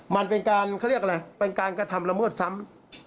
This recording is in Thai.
มันเป็นการเขาเรียกอะไรเป็นการกระทำละเมิดซ้ำ